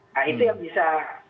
nah itu yang bisa